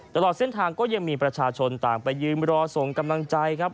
ตลอดเส้นทางก็ยังมีประชาชนต่างไปยืนรอส่งกำลังใจครับ